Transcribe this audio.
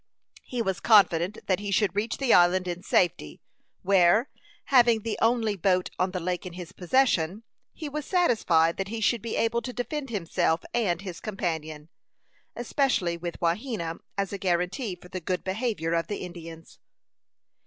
He was confident that he should reach the island in safety, where, having the only boat on the lake in his possession, he was satisfied that he should be able to defend himself and his companion, especially with Wahena as a guaranty for the good behavior of the Indians.